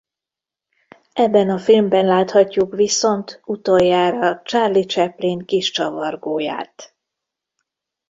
Ebben a filmben láthatjuk viszont utoljára Charlie Chaplin kis Csavargóját.